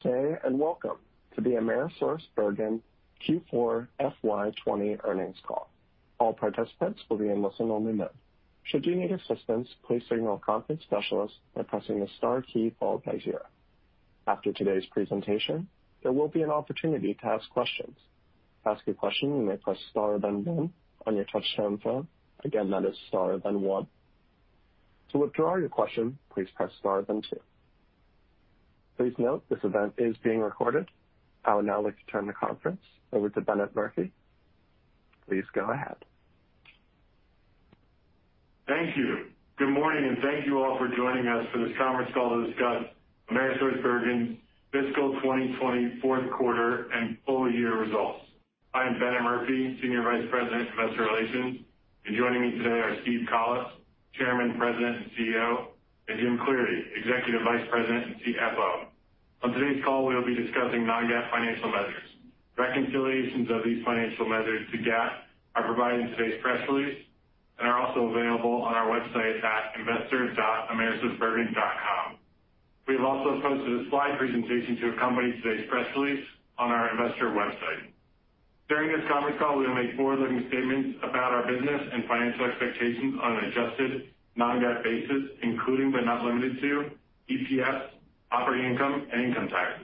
Good day, and welcome to the AmerisourceBergen Q4 FY 2020 earnings call. I would now like to turn the conference over to Bennett Murphy. Please go ahead. Thank you. Good morning, and thank you all for joining us for this conference call to discuss H2's fiscal 2020 Q4 and full-year results. I'm Bennett Murphy, senior vice president, investor relations, and joining me today are Steve Collis, chairman, president, and CEO, and Jim Cleary, executive vice president and CFO. On today's call, we'll be discussing non-GAAP financial measures. Reconciliations of these financial measures to GAAP are provided in today's press release and are also available on our website at investor.amerisourcebergen.com. We have also posted a slide presentation to accompany today's press release on our investor website. During this conference call, we will make forward-looking statements about our business and financial expectations on an adjusted, non-GAAP basis, including but not limited to EPS, operating income, and income tax.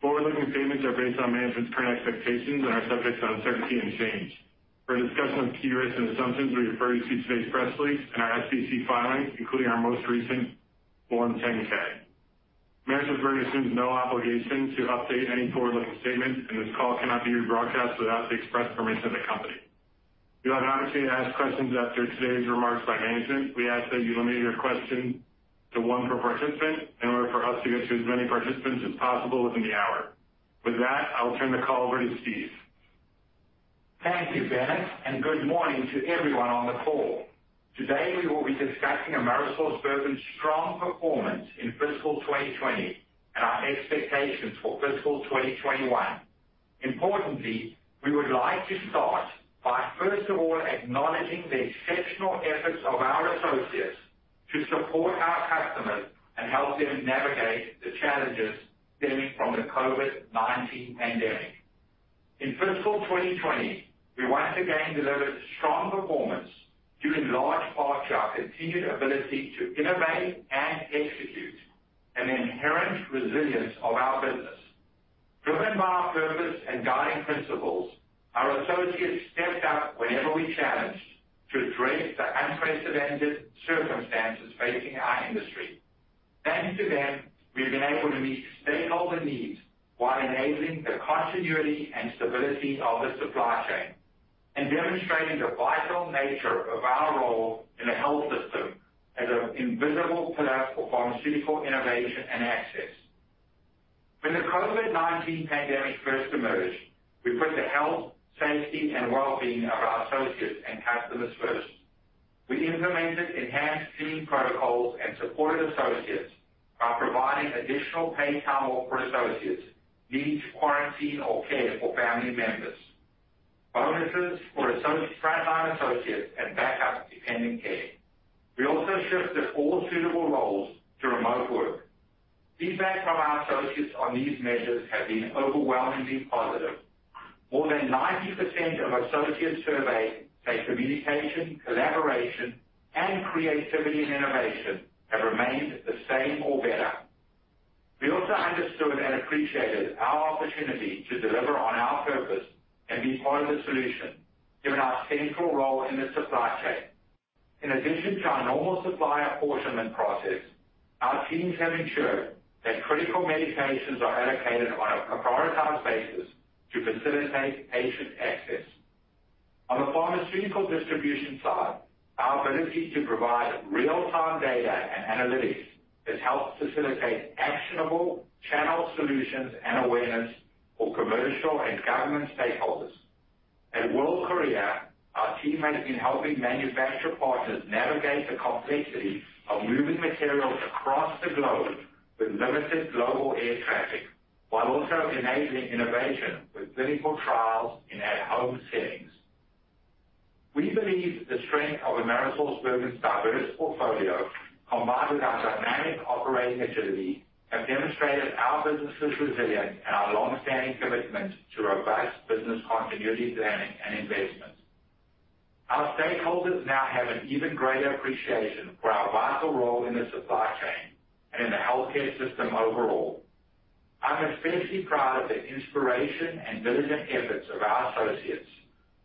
Forward-looking statements are based on management's current expectations and are subject to uncertainty and change. For a discussion of key risks and assumptions, we refer you to today's press release and our SEC filings, including our most recent Form 10-K. AmerisourceBergen assumes no obligation to update any forward-looking statements, and this call cannot be rebroadcast without the express permission of the company. You'll have an opportunity to ask questions after today's remarks by management. We ask that you limit your question to one per participant in order for us to get to as many participants as possible within the hour. With that, I will turn the call over to Steve. Thank you, Bennett. Good morning to everyone on the call. Today, we will be discussing AmerisourceBergen's strong performance in fiscal 2020 and our expectations for fiscal 2021. Importantly, we would like to start by first of all acknowledging the exceptional efforts of our associates to support our customers and help them navigate the challenges stemming from the COVID-19 pandemic. In fiscal 2020, we once again delivered a strong performance due in large part to our continued ability to innovate and execute an inherent resilience of our business. Driven by our purpose and guiding principles, our associates stepped up whenever we challenged to address the unprecedented circumstances facing our industry. Thanks to them, we've been able to meet stakeholder needs while enabling the continuity and stability of the supply chain and demonstrating the vital nature of our role in the health system as an invisible pillar for pharmaceutical innovation and access. When the COVID-19 pandemic first emerged, we put the health, safety, and well-being of our associates and customers first. We implemented enhanced cleaning protocols and supported associates by providing additional paid time off for associates needing to quarantine or care for family members, bonuses for frontline associates, and backup dependent care. We also shifted all suitable roles to remote work. Feedback from our associates on these measures has been overwhelmingly positive. More than 90% of associates surveyed say communication, collaboration, and creativity and innovation have remained the same or better. We also understood and appreciated our opportunity to deliver on our purpose and be part of the solution, given our central role in the supply chain. In addition to our normal supply apportionment process, our teams have ensured that critical medications are allocated on a prioritized basis to facilitate patient access. On the pharmaceutical distribution side, our ability to provide real-time data and analytics has helped facilitate actionable channel solutions and awareness for commercial and government stakeholders. At World Courier, our team has been helping manufacturer partners navigate the complexity of moving materials across the globe with limited global air traffic, while also enabling innovation with clinical trials in at-home settings. We believe the strength of AmerisourceBergen's diverse portfolio, combined with our dynamic operating agility, have demonstrated our business's resilience and our long-standing commitment to robust business continuity planning and investment. Our stakeholders now have an even greater appreciation for our vital role in the supply chain and in the healthcare system overall. I'm especially proud of the inspiration and diligent efforts of our associates,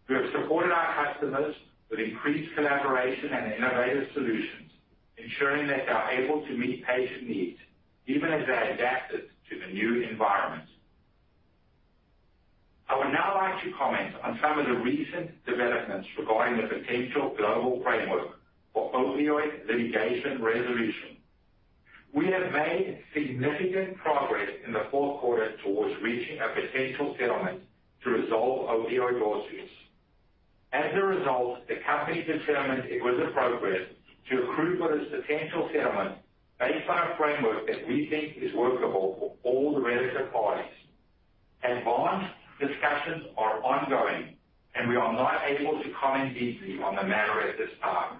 who have supported our customers with increased collaboration and innovative solutions, ensuring that they are able to meet patient needs even as they adapted to the new environment. I would now like to comment on some of the recent developments regarding the potential global framework for opioid litigation resolution. We have made significant progress in the Q4 towards reaching a potential settlement to resolve opioid lawsuits. As a result, the company determined it was appropriate to accrue for the potential settlement based on a framework that we think is workable for all the relative parties. Advanced discussions are ongoing, and we are not able to comment deeply on the matter at this time.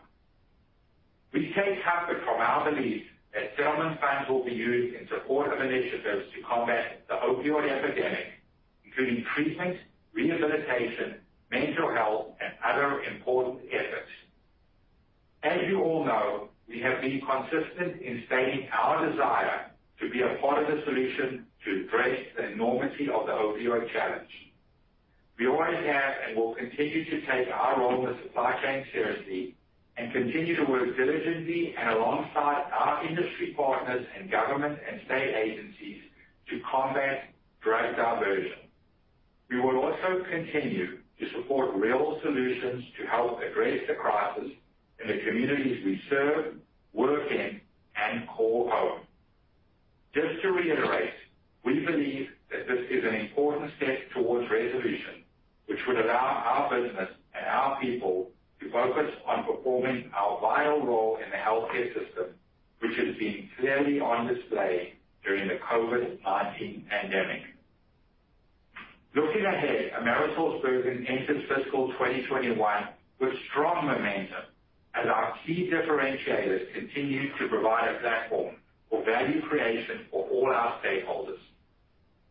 We take comfort from our belief that settlement funds will be used in support of initiatives to combat the opioid epidemic, including treatment, rehabilitation, mental health, and other important efforts. As you all know, we have been consistent in stating our desire to be a part of the solution to address the enormity of the opioid challenge. We always have and will continue to take our role in the supply chain seriously and continue to work diligently and alongside our industry partners in government and state agencies to combat drug diversion. We will also continue to support real solutions to help address the crisis in the communities we serve, work in, and call home. Just to reiterate, we believe that this is an important step towards resolution, which would allow our business and our people to focus on performing our vital role in the healthcare system, which has been clearly on display during the COVID-19 pandemic. Looking ahead, AmerisourceBergen enters fiscal 2021 with strong momentum as our key differentiators continue to provide a platform for value creation for all our stakeholders.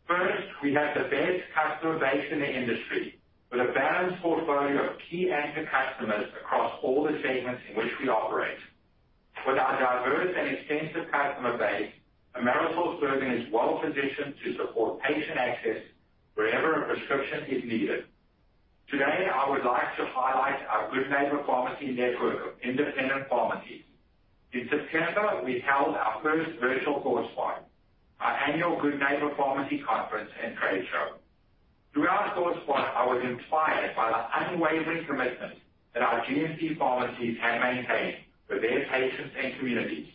First, we have the best customer base in the industry with a balanced portfolio of key anchor customers across all the segments in which we operate. With our diverse and extensive customer base, AmerisourceBergen is well-positioned to support patient access wherever a prescription is needed. Today, I would like to highlight our Good Neighbor Pharmacy network of independent pharmacies. In September, we held our first virtual ThoughtSpot, our annual Good Neighbor Pharmacy Conference and trade show. Through our SourceWeek, I was inspired by the unwavering commitment that our GNP pharmacies have maintained for their patients and communities.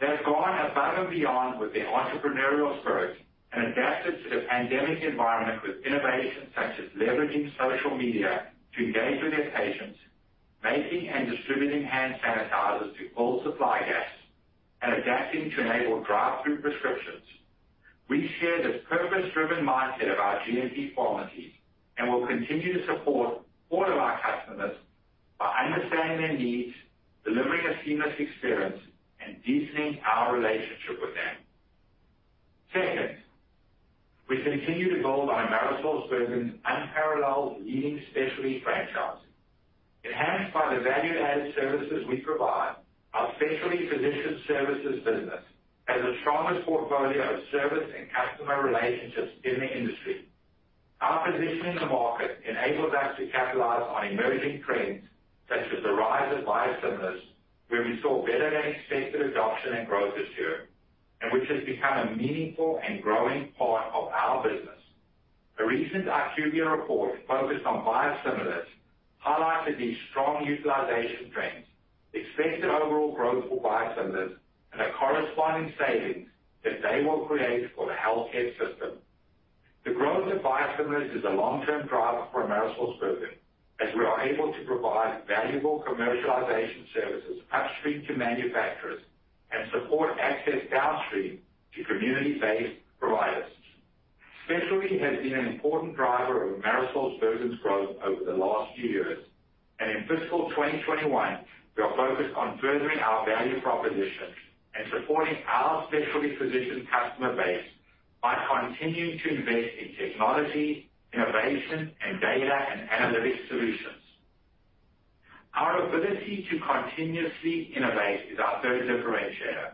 They've gone above and beyond with their entrepreneurial spirit and adapted to the pandemic environment with innovations such as leveraging social media to engage with their patients, making and distributing hand sanitizers to all supply guests, and adapting to enable drive-thru prescriptions. We share this purpose-driven mindset of our GNP pharmacies and will continue to support all of our customers by understanding their needs, delivering a seamless experience, and deepening our relationship with them. Second, we continue to build on AmerisourceBergen's unparalleled leading specialty franchise. Enhanced by the value-added services we provide, our specialty physician services business has the strongest portfolio of service and customer relationships in the industry. Our position in the market enables us to capitalize on emerging trends such as the rise of biosimilars, where we saw better than expected adoption and growth this year, and which has become a meaningful and growing part of our business. A recent IQVIA report focused on biosimilars highlighted these strong utilization trends, expected overall growth for biosimilars, and the corresponding savings that they will create for the healthcare system. The growth of biosimilars is a long-term driver for AmerisourceBergen, as we are able to provide valuable commercialization services upstream to manufacturers and support access downstream to community-based providers. Specialty has been an important driver of AmerisourceBergen's growth over the last few years. In fiscal 2021, we are focused on furthering our value proposition and supporting our specialty physician customer base by continuing to invest in technology, innovation, and data and analytics solutions. Our ability to continuously innovate is our third differentiator.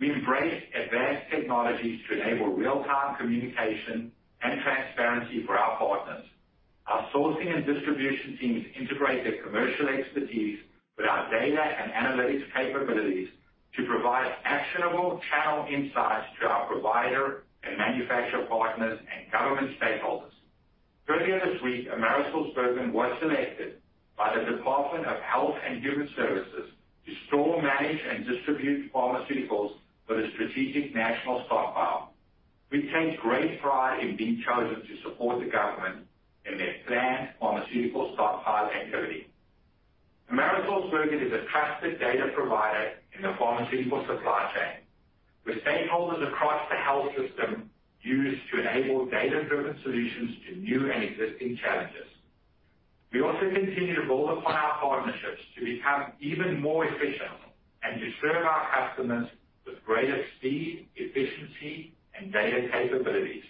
We embrace advanced technologies to enable real-time communication and transparency for our partners. Our sourcing and distribution teams integrate their commercial expertise with our data and analytics capabilities to provide actionable channel insights to our provider and manufacturer partners and government stakeholders. Earlier this week, AmerisourceBergen was selected by the Department of Health and Human Services to store, manage, and distribute pharmaceuticals for the Strategic National Stockpile. We take great pride in being chosen to support the government in their planned pharmaceutical stockpile activity. AmerisourceBergen is a trusted data provider in the pharmaceutical supply chain, with stakeholders across the health system use to enable data-driven solutions to new and existing challenges. We also continue to build upon our partnerships to become even more efficient and to serve our customers with greater speed, efficiency, and data capabilities.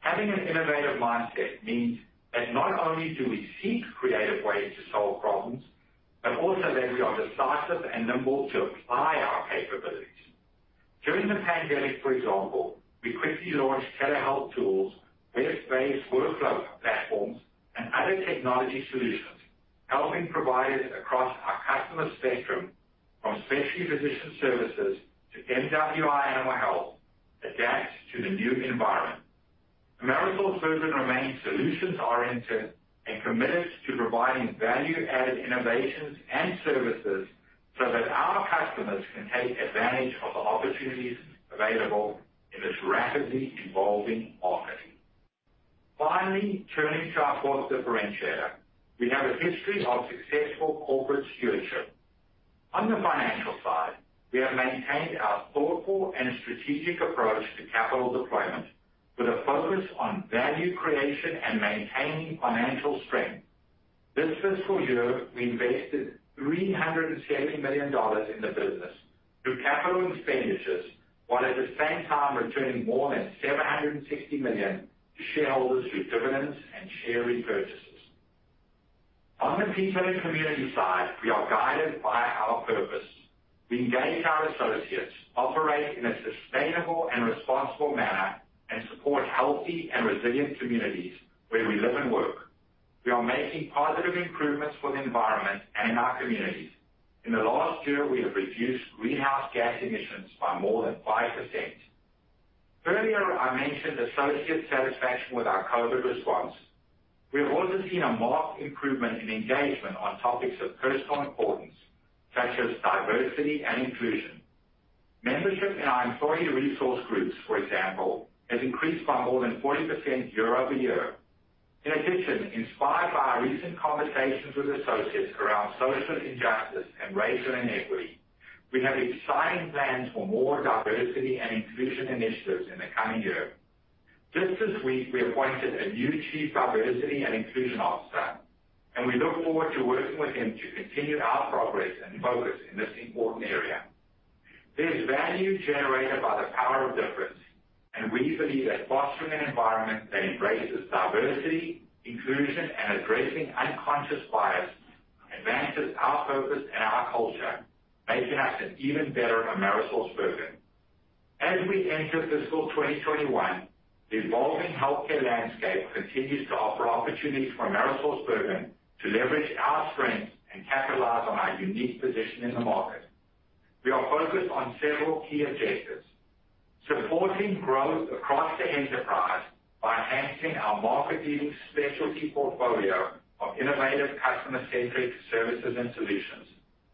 Having an innovative mindset means that not only do we seek creative ways to solve problems, but also that we are decisive and nimble to apply our capabilities. During the pandemic, for example, we quickly launched telehealth tools, web-based workflow platforms, and other technology solutions, helping providers across our customer spectrum from specialty physician services to MWI Animal Health adapt to the new environment. AmerisourceBergen remains solutions-oriented and committed to providing value-added innovations and services so that our customers can take advantage of the opportunities available in this rapidly evolving market. Finally, turning to our fourth differentiator, we have a history of successful corporate stewardship. We have maintained our thoughtful and strategic approach to capital deployment with a focus on value creation and maintaining financial strength. This fiscal year, we invested $370 million in the business through capital expenditures, while at the same time returning more than $760 million to shareholders through dividends and share repurchases. On the people and community side, we are guided by our purpose. We engage our associates, operate in a sustainable and responsible manner, and support healthy and resilient communities where we live and work. We are making positive improvements for the environment and our communities. In the last year, we have reduced greenhouse gas emissions by more than 5%. Earlier, I mentioned associate satisfaction with our COVID-19 response. We have also seen a marked improvement in engagement on topics of personal importance, such as diversity and inclusion. Membership in our employee resource groups, for example, has increased by more than 40% year-over-year. In addition, inspired by our recent conversations with associates around social injustice and racial inequity, we have exciting plans for more diversity and inclusion initiatives in the coming year. Just this week, we appointed a new Chief Diversity and Inclusion Officer, and we look forward to working with him to continue our progress and focus in this important area. There's value generated by the power of difference, and we believe that fostering an environment that embraces diversity, inclusion, and addressing unconscious bias advances our purpose and our culture, making us an even better AmerisourceBergen. As we enter fiscal 2021, the evolving healthcare landscape continues to offer opportunities for AmerisourceBergen to leverage our strengths and capitalize on our unique position in the market. We are focused on several key objectives. Supporting growth across the enterprise by enhancing our market-leading specialty portfolio of innovative customer-centric services and solutions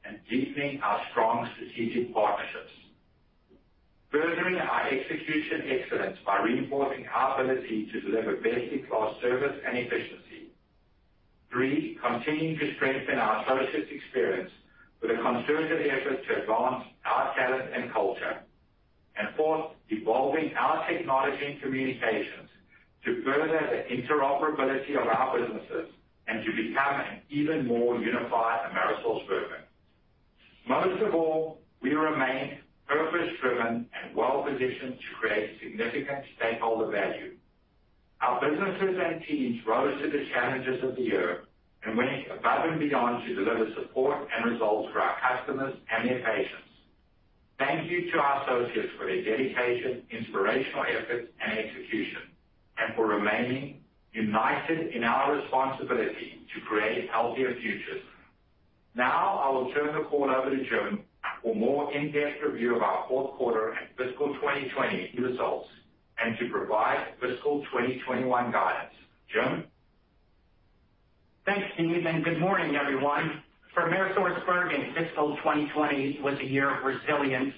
and deepening our strong strategic partnerships. Furthering our execution excellence by reinforcing our ability to deliver best-in-class service and efficiency. Three, continuing to strengthen our associates' experience with a concerted effort to advance our talent and culture. Fourth, evolving our technology and communications to further the interoperability of our businesses and to become an even more unified AmerisourceBergen. Most of all, we remain purpose-driven and well-positioned to create significant stakeholder value. Our businesses and teams rose to the challenges of the year and went above and beyond to deliver support and results for our customers and their patients. Thank you to our associates for their dedication, inspirational efforts, and execution, and for remaining united in our responsibility to create healthier futures. I will turn the call over to Jim for more in-depth review of our Q4 and fiscal 2020 results and to provide fiscal 2021 guidance. Jim? Thanks, Steve, good morning, everyone. For AmerisourceBergen, fiscal 2020 was a year of resilience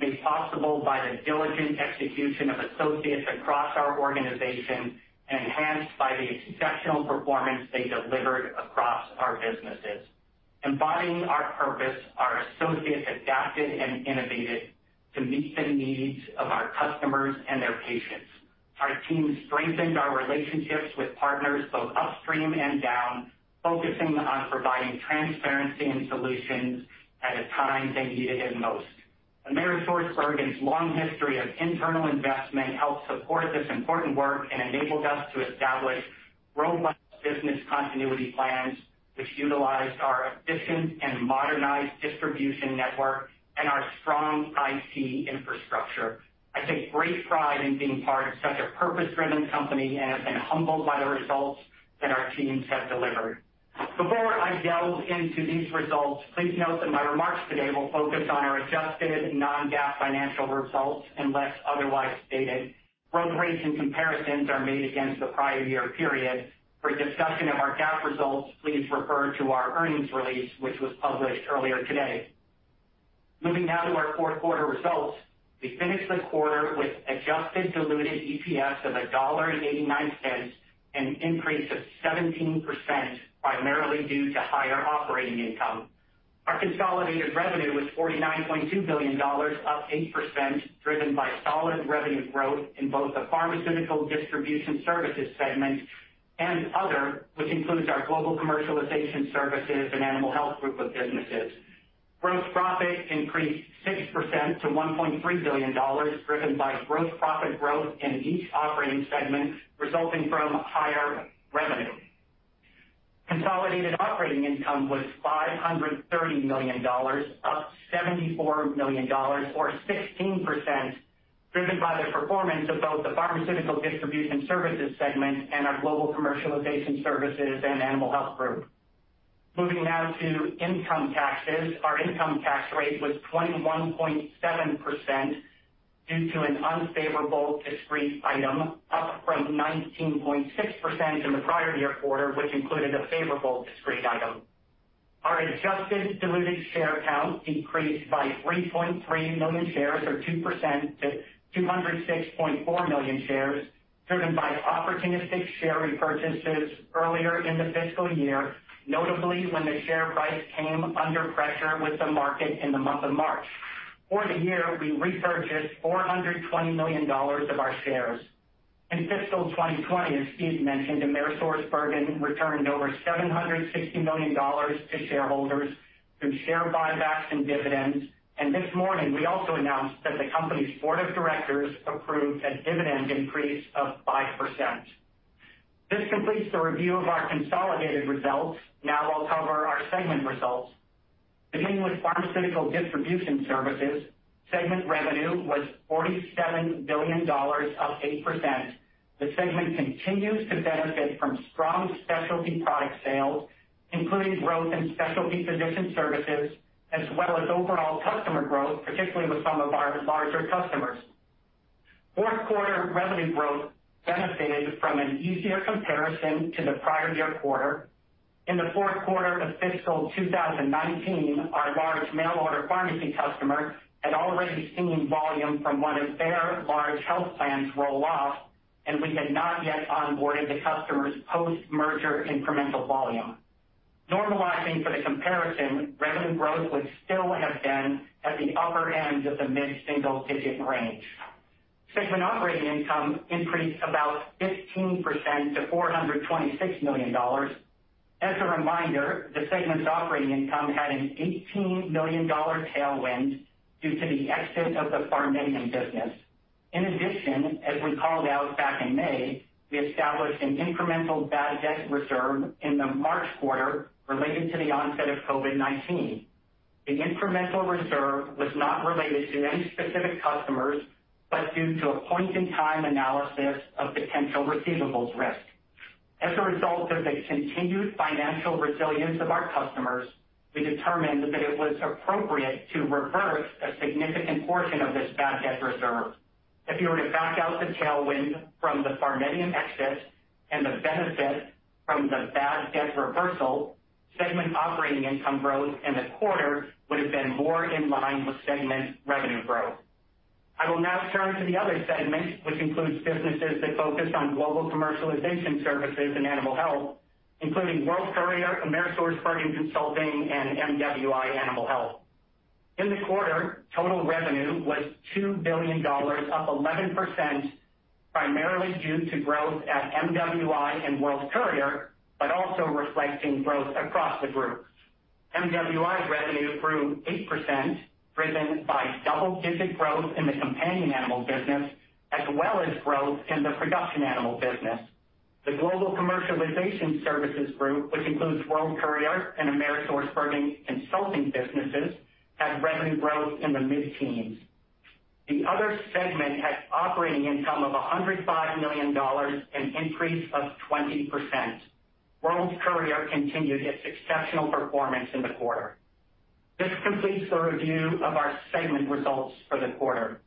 made possible by the diligent execution of associates across our organization and enhanced by the exceptional performance they delivered across our businesses. Embodying our purpose, our associates adapted and innovated to meet the needs of our customers and their patients. Our teams strengthened our relationships with partners both upstream and down, focusing on providing transparency and solutions at a time they needed it most. AmerisourceBergen's long history of internal investment helped support this important work and enabled us to establish robust business continuity plans, which utilized our efficient and modernized distribution network and our strong IT infrastructure. I take great pride in being part of such a purpose-driven company and have been humbled by the results that our teams have delivered. Before I delve into these results, please note that my remarks today will focus on our adjusted non-GAAP financial results unless otherwise stated. Growth rates and comparisons are made against the prior year period. For a discussion of our GAAP results, please refer to our earnings release, which was published earlier today. Moving now to our Q4 results. We finished the quarter with adjusted diluted EPS of $1.89, an increase of 17%, primarily due to higher operating income. Our consolidated revenue was $49.2 billion, up 8%, driven by solid revenue growth in both the Pharmaceutical Distribution Services segment and other, which includes our Global Commercialization Services and Animal Health group of businesses. Gross profit increased 6% to $1.3 billion, driven by gross profit growth in each operating segment resulting from higher revenue. Consolidated operating income was $530 million, up $74 million or 16%, driven by the performance of both the Pharmaceutical Distribution Services segment and our Global Commercialization Services and Animal Health group. Moving now to income taxes. Our income tax rate was 21.7% due to an unfavorable discrete item, up from 19.6% in the prior year quarter, which included a favorable discrete item. Our adjusted diluted share count decreased by 3.3 million shares or 2% to 206.4 million shares, driven by opportunistic share repurchases earlier in the fiscal year, notably when the share price came under pressure with the market in the month of March. For the year, we repurchased $420 million of our shares. In fiscal 2020, as Steve mentioned, AmerisourceBergen returned over $760 million to shareholders through share buybacks and dividends. This morning, we also announced that the company's board of directors approved a dividend increase of 5%. This completes the review of our consolidated results. I'll cover our segment results. Beginning with Pharmaceutical Distribution Services, segment revenue was $47 billion, up 8%. The segment continues to benefit from strong specialty product sales, including growth in specialty physician services, as well as overall customer growth, particularly with some of our larger customers. Q4 revenue growth benefited from an easier comparison to the prior year quarter. In the Q4 of fiscal 2019, our large mail order pharmacy customer had already seen volume from one of their large health plans roll off, and we had not yet onboarded the customer's post-merger incremental volume. Normalizing for the comparison, revenue growth would still have been at the upper end of the mid-single-digit range. Segment operating income increased about 15% to $426 million. As a reminder, the segment's operating income had an $18 million tailwind due to the exit of the PharMEDium business. In addition, as we called out back in May, we established an incremental bad debt reserve in the March quarter related to the onset of COVID-19. The incremental reserve was not related to any specific customers, but due to a point-in-time analysis of potential receivables risk. As a result of the continued financial resilience of our customers, we determined that it was appropriate to reverse a significant portion of this bad debt reserve. If you were to back out the tailwind from the PharMEDium exit and the benefit from the bad debt reversal, segment operating income growth in the quarter would have been more in line with segment revenue growth. I will now turn to the Other Segment, which includes businesses that focus on Global Commercialization Services and Animal Health, including World Courier, AmerisourceBergen Consulting, and MWI Animal Health. In the quarter, total revenue was $2 billion, up 11%, primarily due to growth at MWI and World Courier, but also reflecting growth across the group. MWI's revenue grew 8%, driven by double-digit growth in the companion animal business, as well as growth in the production animal business. The Global Commercialization Services group, which includes World Courier and AmerisourceBergen Consulting businesses, had revenue growth in the mid-teens. The Other Segment had operating income of $105 million, an increase of 20%. World Courier continued its exceptional performance in the quarter. This completes the review of our segment results for the quarter.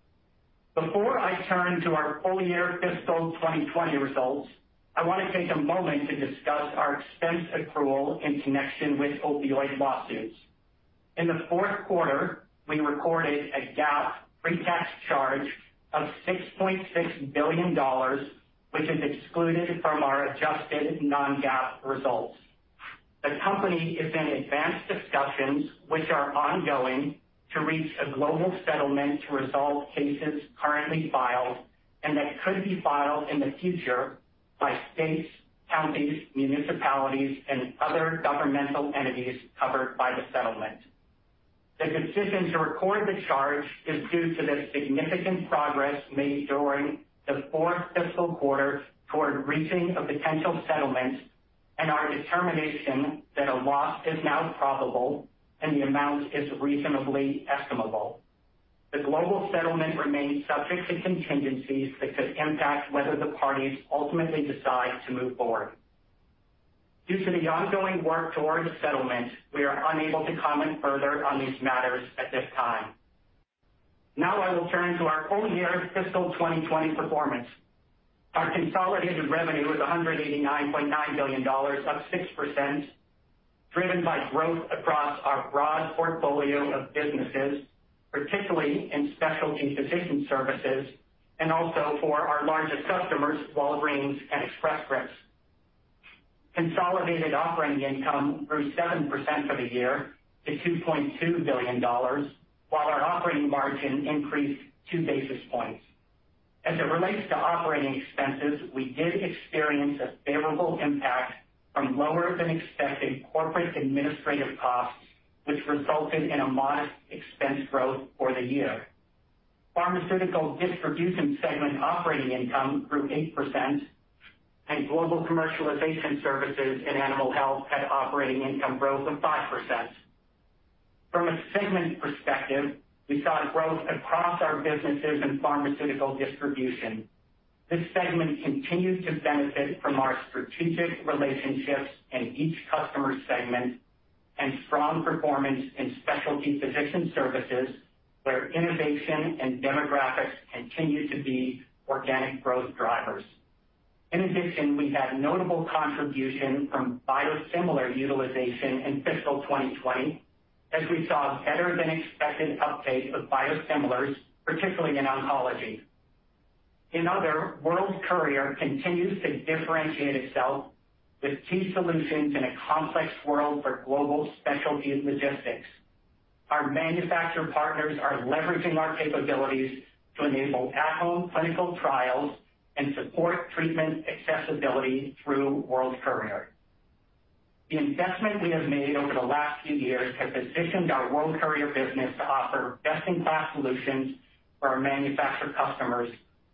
Before I turn to our full year fiscal 2020 results, I want to take a moment to discuss our expense accrual in connection with opioid lawsuits. In the Q4, we recorded a GAAP pre-tax charge of $6.6 billion, which is excluded from our adjusted non-GAAP results. The company is in advanced discussions, which are ongoing, to reach a global settlement to resolve cases currently filed and that could be filed in the future by states, counties, municipalities, and other governmental entities covered by the settlement. The decision to record the charge is due to the significant progress made during the fourth fiscal quarter toward reaching a potential settlement and our determination that a loss is now probable and the amount is reasonably estimable. The global settlement remains subject to contingencies that could impact whether the parties ultimately decide to move forward. Due to the ongoing work towards a settlement, we are unable to comment further on these matters at this time. Now I will turn to our full year fiscal 2020 performance. Our consolidated revenue was $189.9 billion, up 6%, driven by growth across our broad portfolio of businesses, particularly in specialty physician services, and also for our largest customers, Walgreens and Express Scripts. Consolidated operating income grew 7% for the year to $2.2 billion, while our operating margin increased two basis points. As it relates to operating expenses, we did experience a favorable impact from lower-than-expected corporate administrative costs, which resulted in a modest expense growth for the year. Pharmaceutical Distribution segment operating income grew 8%, and Global Commercialization Services and Animal Health had operating income growth of 5%. From a segment perspective, we saw growth across our businesses in Pharmaceutical Distribution. This segment continues to benefit from our strategic relationships in each customer segment and strong performance in specialty physician services, where innovation and demographics continue to be organic growth drivers. In addition, we had notable contribution from biosimilar utilization in fiscal 2020, as we saw better-than-expected uptake of biosimilars, particularly in oncology. In Other, World Courier continues to differentiate itself with key solutions in a complex world for global specialty logistics. Our manufacturer partners are leveraging our capabilities to enable at-home clinical trials and support treatment accessibility through World Courier. The investment we have made over the last few years has positioned our World Courier business to offer best-in-class solutions for our manufacturer customers,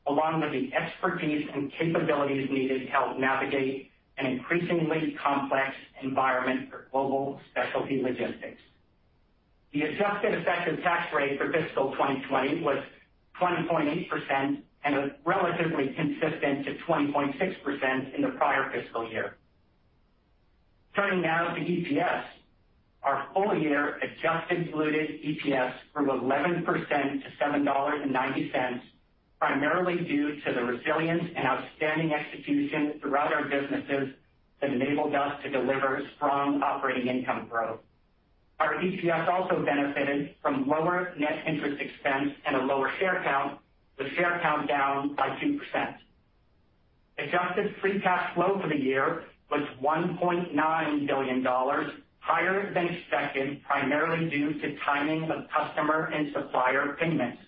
along with the expertise and capabilities needed to help navigate an increasingly complex environment for global specialty logistics. The adjusted effective tax rate for fiscal 2020 was 20.8% and was relatively consistent to 20.6% in the prior fiscal year. Turning now to EPS. Our full-year adjusted diluted EPS grew 11% to $7.90, primarily due to the resilience and outstanding execution throughout our businesses that enabled us to deliver strong operating income growth. Our EPS also benefited from lower net interest expense and a lower share count, with share count down by 2%. Adjusted free cash flow for the year was $1.9 billion, higher than expected, primarily due to timing of customer and supplier payments.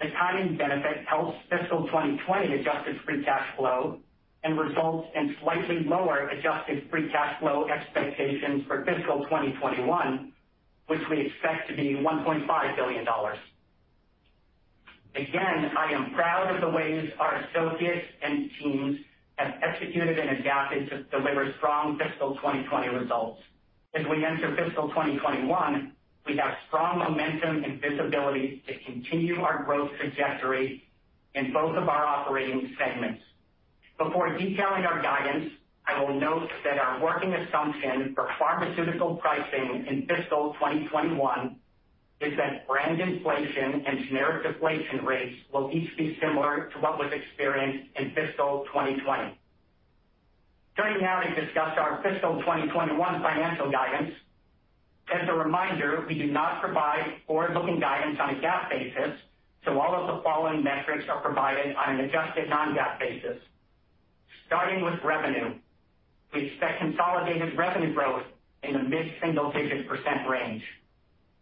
The timing benefit helped fiscal 2020 adjusted free cash flow and results in slightly lower adjusted free cash flow expectations for fiscal 2021, which we expect to be $1.5 billion. Again, I am proud of the ways our associates and teams have executed and adapted to deliver strong fiscal 2020 results. As we enter fiscal 2021, we have strong momentum and visibility to continue our growth trajectory in both of our operating segments. Before detailing our guidance, I will note that our working assumption for pharmaceutical pricing in fiscal 2021 is that brand inflation and generic deflation rates will each be similar to what was experienced in fiscal 2020. Turning now to discuss our fiscal 2021 financial guidance. As a reminder, we do not provide forward-looking guidance on a GAAP basis, so all of the following metrics are provided on an adjusted non-GAAP basis. Starting with revenue. We expect consolidated revenue growth in the mid-single digit % range.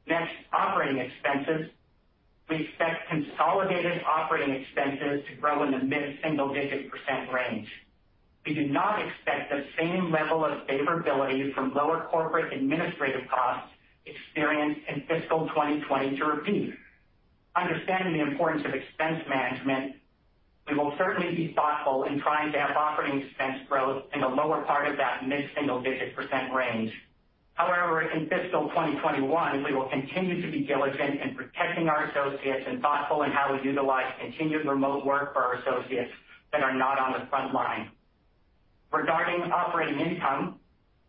Next, operating expenses. We expect consolidated operating expenses to grow in the mid-single digit % range. We do not expect the same level of favorability from lower corporate administrative costs experienced in fiscal 2020 to repeat. Understanding the importance of expense management, we will certainly be thoughtful in trying to have operating expense growth in the lower part of that mid-single digit % range. However, in fiscal 2021, we will continue to be diligent in protecting our associates and thoughtful in how we utilize continued remote work for our associates that are not on the front line. Regarding operating income,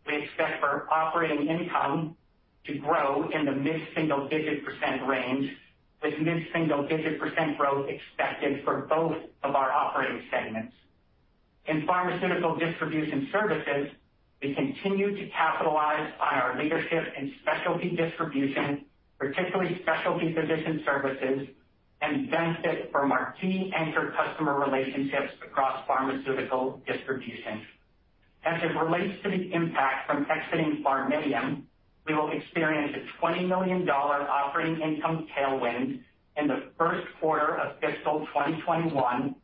we expect our operating income to grow in the mid-single digit % range, with mid-single digit % growth expected for both of our operating segments. In Pharmaceutical Distribution Services, we continue to capitalize on our leadership in specialty distribution, particularly specialty physician services, and benefit from our key anchor customer relationships across pharmaceutical distribution. As it relates to the impact from exiting PharMEDium, we will experience a $20 million operating income tailwind in the Q1 of fiscal 2021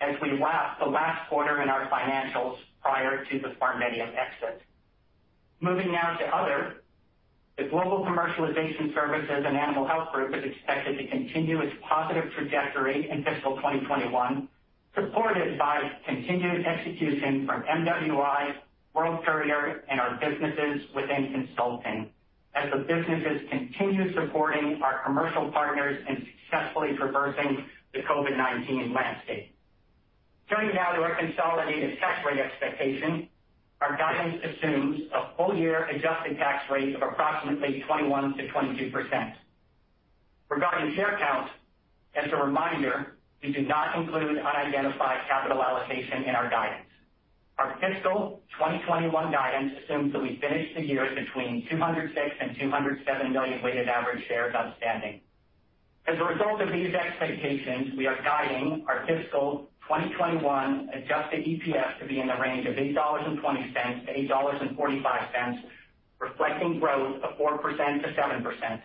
as we lap the last quarter in our financials prior to the PharMEDium exit. Moving now to other. The Global Commercialization Services and Animal Health group is expected to continue its positive trajectory in fiscal 2021, supported by continued execution from MWI, World Courier, and our businesses within consulting, as the businesses continue supporting our commercial partners in successfully traversing the COVID-19 landscape. Turning now to our consolidated tax rate expectation. Our guidance assumes a full-year adjusted tax rate of approximately 21%-22%. Regarding share count, as a reminder, we do not include unidentified capital allocation in our guidance. Our fiscal 2021 guidance assumes that we finish the year between 206 and 207 million weighted average shares outstanding. As a result of these expectations, we are guiding our fiscal 2021 adjusted EPS to be in the range of $8.20 to $8.45, reflecting growth of 4%-7%.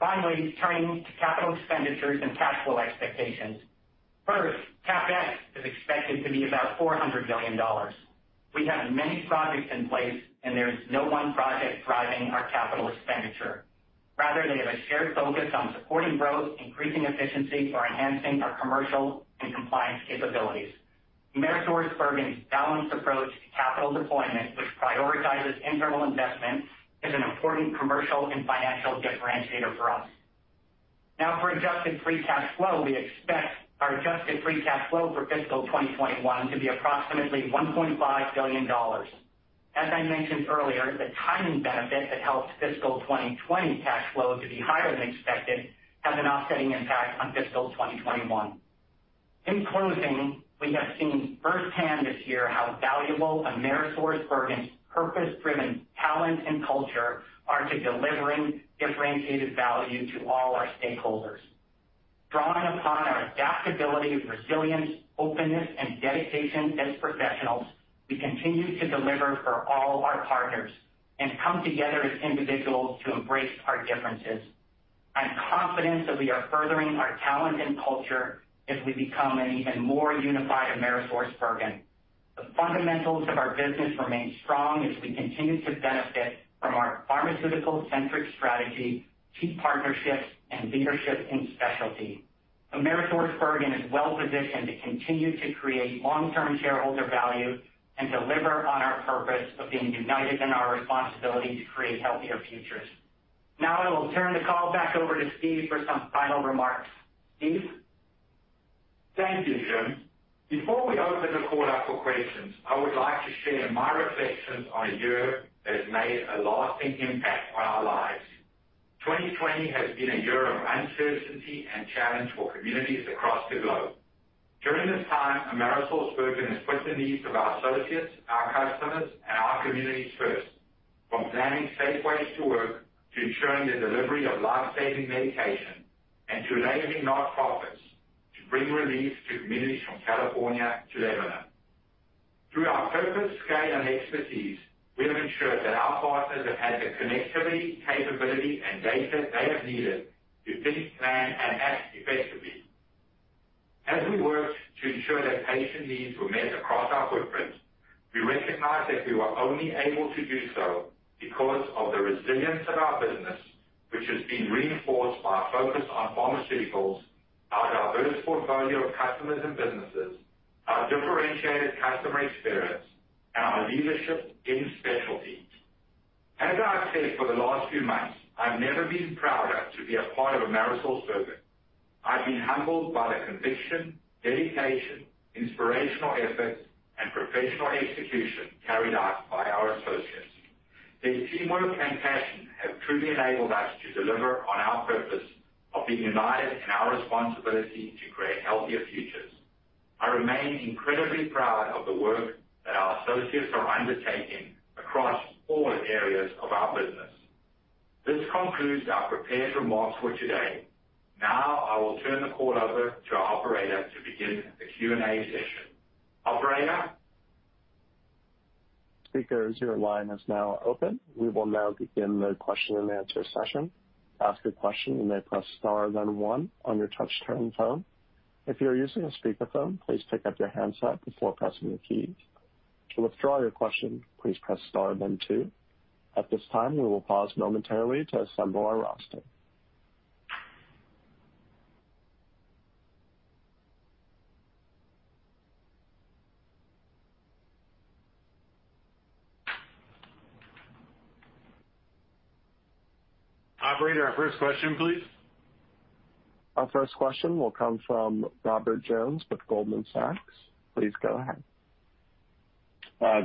Finally, turning to capital expenditures and cash flow expectations. First, CapEx is expected to be about $400 million. We have many projects in place, and there is no one project driving our capital expenditure. Rather, they have a shared focus on supporting growth, increasing efficiency, or enhancing our commercial and compliance capabilities. AmerisourceBergen's balanced approach to capital deployment, which prioritizes internal investment, is an important commercial and financial differentiator for us. Now for adjusted free cash flow. We expect our adjusted free cash flow for fiscal 2021 to be approximately $1.5 billion. As I mentioned earlier, the timing benefit that helped fiscal 2020 cash flow to be higher than expected has an offsetting impact on fiscal 2021. In closing, we have seen firsthand this year how valuable AmerisourceBergen's purpose-driven talent and culture are to delivering differentiated value to all our stakeholders. Drawing upon our adaptability, resilience, openness, and dedication as professionals, we continue to deliver for all our partners and come together as individuals to embrace our differences. I'm confident that we are furthering our talent and culture as we become an even more unified AmerisourceBergen. The fundamentals of our business remain strong as we continue to benefit from our pharmaceutical-centric strategy, key partnerships, and leadership in specialty. AmerisourceBergen is well-positioned to continue to create long-term shareholder value and deliver on our purpose of being united in our responsibility to create healthier futures. I will turn the call back over to Steve for some final remarks. Steve? Thank you, Jim. Before we open the call up for questions, I would like to share my reflections on a year that has made a lasting impact on our lives. 2020 has been a year of uncertainty and challenge for communities across the globe. During this time, AmerisourceBergen has put the needs of our associates, our customers, and our communities first. From planning safe ways to work, to ensuring the delivery of life-saving medication, and to raising nonprofits to bring relief to communities from California to Lebanon. Through our purpose, scale, and expertise, we have ensured that our partners have had the connectivity, capability, and data they have needed to think, plan, and act effectively. As we worked to ensure that patient needs were met across our footprint, we recognized that we were only able to do so because of the resilience of our business, which has been reinforced by our focus on pharmaceuticals, our diverse portfolio of customers and businesses, our differentiated customer experience, and our leadership in specialties. As I've said for the last few months, I've never been prouder to be a part of AmerisourceBergen. I've been humbled by the conviction, dedication, inspirational effort, and professional execution carried out by our associates. Their teamwork and passion have truly enabled us to deliver on our purpose of being united in our responsibility to create healthier futures. I remain incredibly proud of the work that our associates are undertaking across all areas of our business. This concludes our prepared remarks for today. Now I will turn the call over to our operator to begin the Q&A session. Operator? Speaker, your line is now open. We will now begin the question and answer session. To ask a question, you may press star then one on your touch-tone phone. If you're using a speakerphone, please pick up your handset before pressing the keys. To withdraw your question, please press star then two. At this time, we will pause momentarily to assemble our roster. Operator, our first question, please. Our first question will come from Robert Jones with Goldman Sachs. Please go ahead.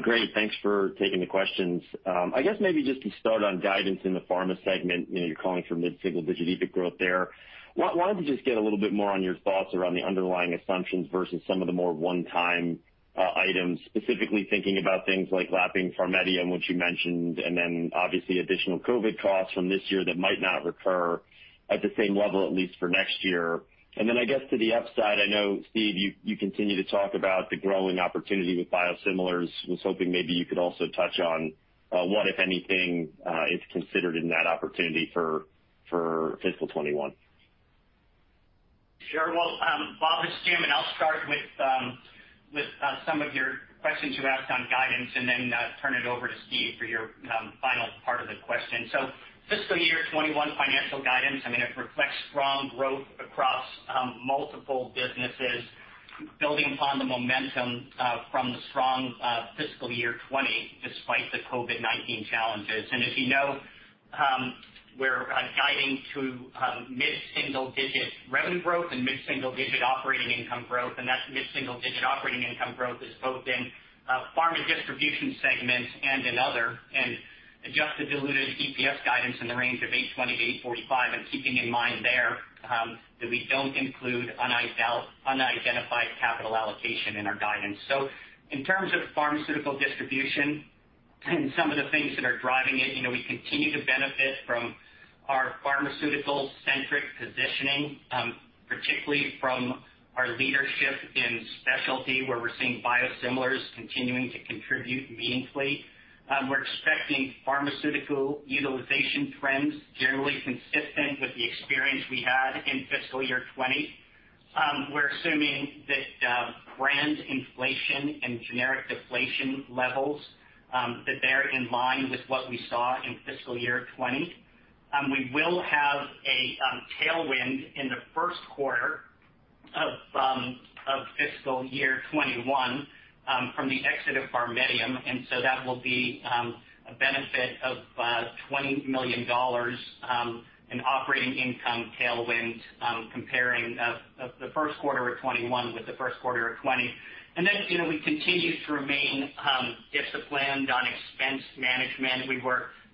Great. Thanks for taking the questions. I guess maybe just to start on guidance in the pharma segment. You're calling for mid-single digit EBIT growth there. Wanted to just get a little bit more on your thoughts around the underlying assumptions versus some of the more one-time items. Specifically thinking about things like lapping PharMEDium, which you mentioned, and then obviously additional COVID-19 costs from this year that might not recur at the same level, at least for next year. And then I guess to the upside, I know, Steve, you continue to talk about the growing opportunity with biosimilars. Was hoping maybe you could also touch on what, if anything, is considered in that opportunity for fiscal 2021. Sure. Well, Bob, it's Jim. I'll start with some of your questions you asked on guidance and then turn it over to Steve Collis for your final part of the question. Fiscal year 2021 financial guidance, it reflects strong growth across multiple businesses, building upon the momentum from the strong fiscal year 2020, despite the COVID-19 challenges. As you know, we're guiding to mid-single digit revenue growth and mid-single digit operating income growth, and that mid-single digit operating income growth is both in Pharmaceutical Distribution Services and in other. Adjusted diluted EPS guidance in the range of $8.20-$8.45. Keeping in mind there that we don't include unidentified capital allocation in our guidance. In terms of Pharmaceutical Distribution Services and some of the things that are driving it, we continue to benefit from our pharmaceutical-centric positioning. Particularly from our leadership in specialty, where we're seeing biosimilars continuing to contribute meaningfully. We're expecting pharmaceutical utilization trends generally consistent with the experience we had in fiscal year 2020. We're assuming that brand inflation and generic deflation levels, they're in line with what we saw in fiscal year 2020. We will have a tailwind in the Q1 of fiscal year 2021 from the exit of PharMEDium, that will be a benefit of $20 million in operating income tailwind, comparing the Q1 of 2021 with the Q1 of 2020. We continue to remain disciplined on expense management.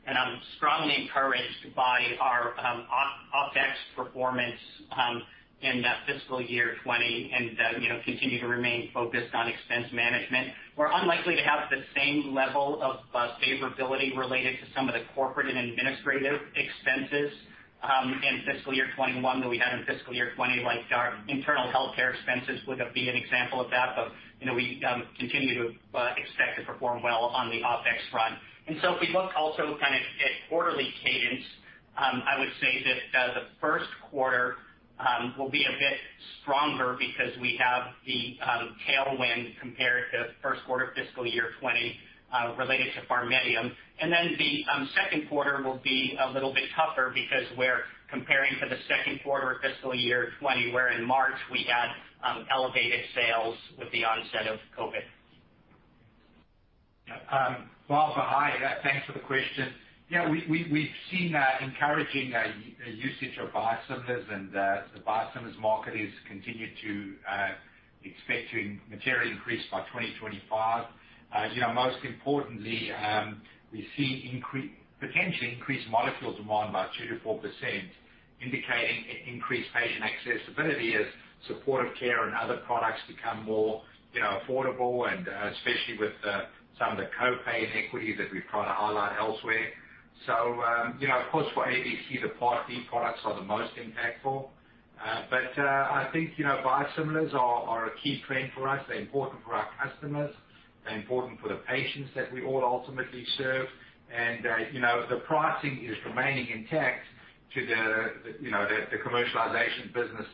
I'm strongly encouraged by our OpEx performance in fiscal year 2020, and continue to remain focused on expense management. We're unlikely to have the same level of favorability related to some of the corporate and administrative expenses in fiscal year 2021 than we had in fiscal year 2020. Our internal healthcare expenses would be an example of that. We continue to expect to perform well on the OpEx front. If we look also at quarterly cadence, I would say that the Q1 will be a bit stronger because we have the tailwind compared to Q1 fiscal year 2020 related to PharMEDium. The Q2 will be a little bit tougher because we're comparing to the Q2 of fiscal year 2020, where in March we had elevated sales with the onset of COVID-19. Bob, hi. Thanks for the question. We've seen encouraging usage of biosimilars, and the biosimilars market is continued to expect to materially increase by 2025. Most importantly, we see potentially increased molecules volume by 2%-4%, indicating increased patient accessibility as supportive care and other products become more affordable and especially with some of the copay inequity that we've tried to highlight elsewhere. Of course for ABC, the Part B products are the most impactful. I think biosimilars are a key trend for us. They're important for our customers. They're important for the patients that we all ultimately serve. The pricing is remaining intact to the commercialization business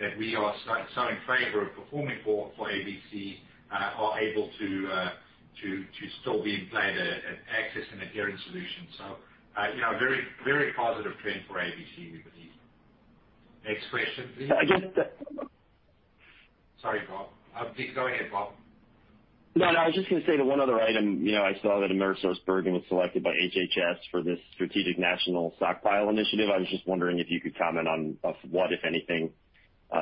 that we are so in favor of performing for ABC are able to still be employed as access and adherence solutions. Very positive trend for ABC, we believe. Next question, please. I guess that- Sorry, Bob. Please go ahead, Bob. I was just going to say that one other item, I saw that AmerisourceBergen was selected by HHS for this Strategic National Stockpile Initiative. I was just wondering if you could comment on what, if anything,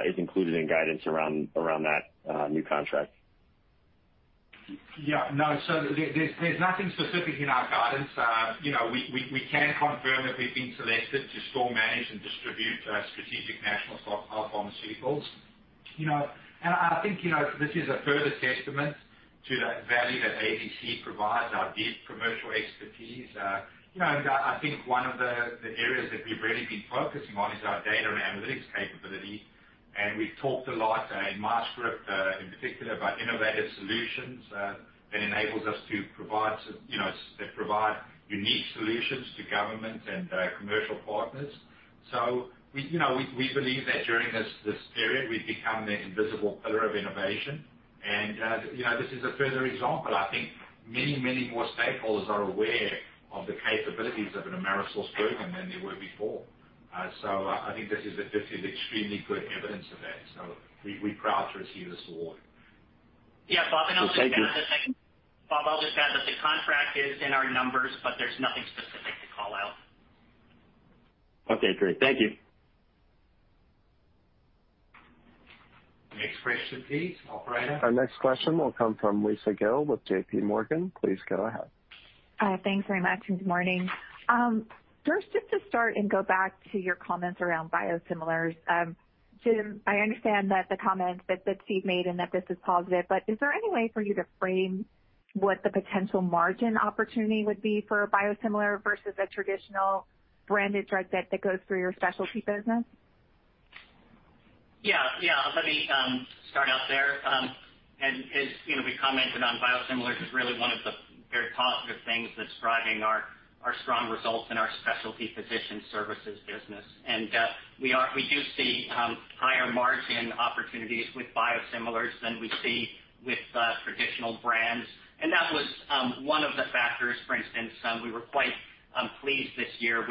is included in guidance around that new contract. Yeah. No. There's nothing specific in our guidance. We can confirm that we've been selected to store, manage, and distribute Strategic National Stockpile of pharmaceuticals. I think, this is a further testament to the value that ABC provides, our deep commercial expertise. I think one of the areas that we've really been focusing on is our data and analytics capability. We've talked a lot in my script, in particular about innovative solutions that provide unique solutions to government and commercial partners. We believe that during this period, we've become the invisible pillar of innovation. This is a further example. I think many more stakeholders are aware of the capabilities of an AmerisourceBergen than they were before. I think this is extremely good evidence of that. We're proud to receive this award. Yeah. Bob, I'll just add that the contract is in our numbers. There's nothing specific to call out. Okay, great. Thank you. Next question, please. Operator. Our next question will come from Lisa Gill with J.P. Morgan. Please go ahead. Thanks very much, good morning. First, just to start and go back to your comments around biosimilars. Jim, I understand that the comments that Steve made and that this is positive, is there any way for you to frame what the potential margin opportunity would be for a biosimilar versus a traditional branded drug that goes through your specialty business? Yeah. Let me start out there. As we commented on biosimilars is really one of the very positive things that's driving our strong results in our specialty physician services business. We do see higher margin opportunities with biosimilars than we see with traditional brands. That was one of the factors, for instance, we were quite pleased this year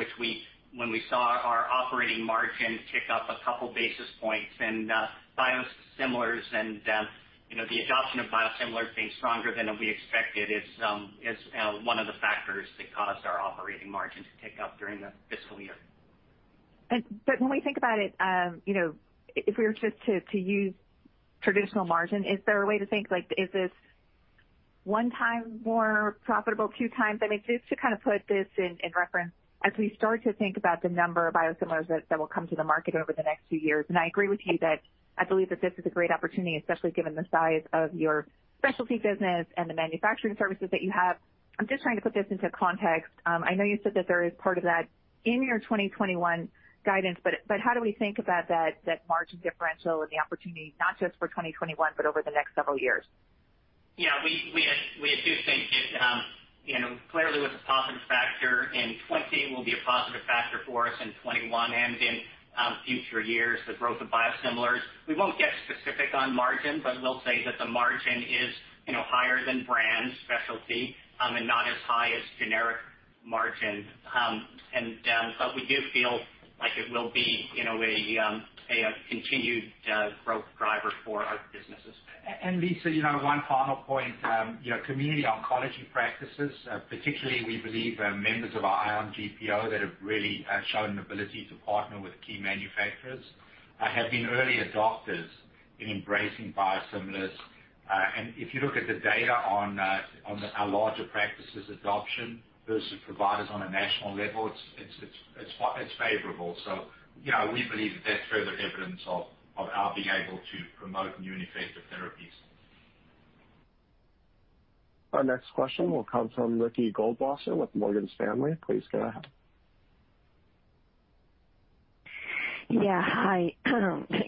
when we saw our operating margin tick up a couple basis points and biosimilars and the adoption of biosimilars being stronger than we expected is one of the factors that caused our operating margin to tick up during the fiscal year. When we think about it, if we were just to use traditional margin, is there a way to think, like, is this one time more profitable, two times? Just to put this in reference as we start to think about the number of biosimilars that will come to the market over the next few years. I agree with you that I believe that this is a great opportunity, especially given the size of your specialty business and the manufacturing services that you have. I'm just trying to put this into context. I know you said that there is part of that in your 2021 guidance, but how do we think about that margin differential and the opportunity, not just for 2021, but over the next several years? Yeah. We do think it, clearly was a positive factor in 2020, will be a positive factor for us in 2021 and in future years, the growth of biosimilars. We won't get specific on margin, but we'll say that the margin is higher than brand specialty, and not as high as generic margin. We do feel like it will be a continued growth driver for our businesses. Lisa, one final point. Community oncology practices, particularly we believe members of our ION Solutions that have really shown an ability to partner with key manufacturers, have been early adopters in embracing biosimilars. If you look at the data on our larger practices adoption versus providers on a national level, it's favorable. We believe that that's further evidence of our being able to promote new and effective therapies. Our next question will come from Ricky Goldwasser with Morgan Stanley. Please go ahead. Yeah. Hi.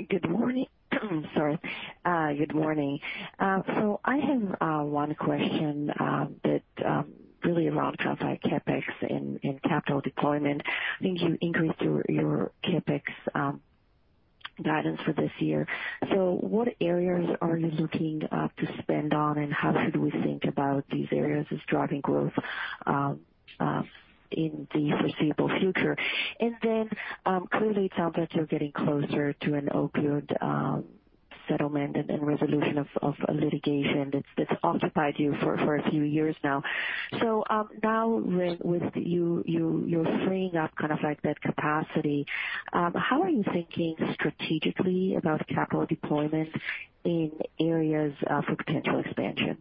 Good morning. Sorry. Good morning. I have one question that really around kind of like CapEx and capital deployment. I think you increased your CapEx guidance for this year. What areas are you looking to spend on, and how should we think about these areas as driving growth in the foreseeable future? Clearly it sounds like you're getting closer to an opioid settlement and resolution of litigation that's occupied you for a few years now. Now with you freeing up kind of like that capacity, how are you thinking strategically about capital deployment in areas for potential expansion?